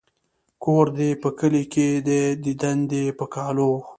ـ کور دې په کلي کې دى ديدن د په کالو.